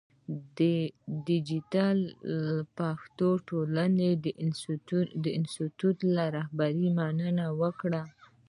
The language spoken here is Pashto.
د دیجیټل پښتو ټولنې د انسټیټوت له رهبرۍ مننه وکړه.